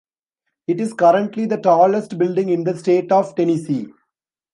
It is currently the tallest building in the state of Tennessee.